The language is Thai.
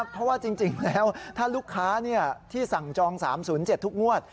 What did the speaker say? เพราะว่าจริงแล้วถ้าลูกค้าที่สั่งจอง๓๐๗ทุกงวด